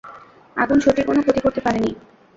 আগুন ছোটির কোনো ক্ষতি করতে পারেনি।